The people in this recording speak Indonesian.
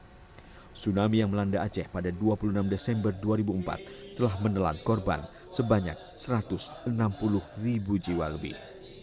tsunami yang melanda aceh pada dua puluh enam desember dua ribu empat telah menelan korban sebanyak satu ratus enam puluh ribu jiwa lebih